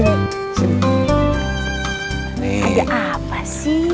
nih ada apa sih